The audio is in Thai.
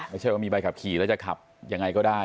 ไม่ใช่ว่ามีใบขับขี่แล้วจะขับยังไงก็ได้